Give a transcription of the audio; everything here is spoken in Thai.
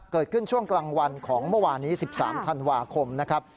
เกิดขึ้นช่วงกลางวันของเมื่อวานนี้๑๓ธันวาคมนะครับ